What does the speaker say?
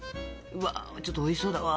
うわちょっとおいしそうだわ。